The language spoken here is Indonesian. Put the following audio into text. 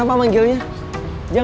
kita masih akan becomes